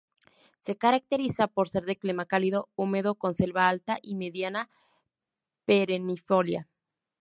Se caracteriza por ser de clima cálido-húmedo, con selva alta y mediana perennifolia.